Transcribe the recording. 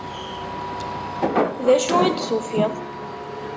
D acu i d-tufiḍ?